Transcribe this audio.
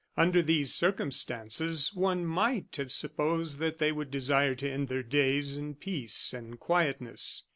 Under these circumstances one might have supposed that they would desire to end their days in peace and quietness.